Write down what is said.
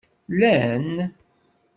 Llan?